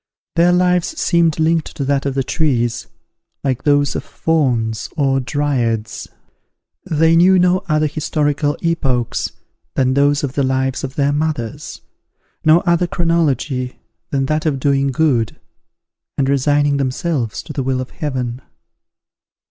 Their lives seemed linked to that of the trees, like those of Fauns or Dryads. They knew no other historical epochs than those of the lives of their mothers, no other chronology than that of doing good, and resigning themselves to the will of Heaven.